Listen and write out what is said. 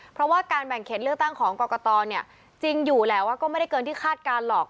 เพราะว่าการแบ่งเขตเลือกตั้งของกรกตจริงอยู่แหละว่าก็ไม่ได้เกินที่คาดการณ์หรอก